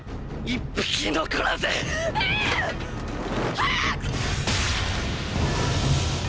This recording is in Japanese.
早く！！